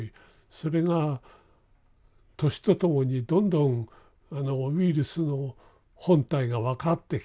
それが年と共にどんどんウイルスの本体が分かってきて。